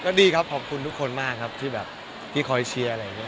ก็ดีครับขอบคุณทุกคนมากครับที่แบบที่คอยเชียร์อะไรอย่างนี้